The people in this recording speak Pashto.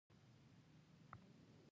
خیرات ورکړي.